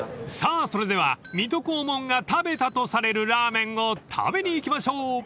［さぁそれでは水戸黄門が食べたとされるラーメンを食べに行きましょう！］